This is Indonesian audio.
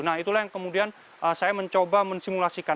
nah itulah yang kemudian saya mencoba mensimulasikan